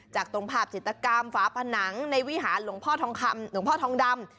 จากตรงภาพศิษย์ตกรรมฝาผนังในวิหารหลวงพ่อทองดำ